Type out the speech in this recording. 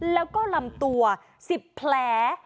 แล้วก็ลำตัว๑๐แผล